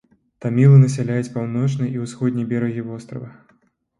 Тамілы насяляюць паўночны і ўсходні берагі вострава.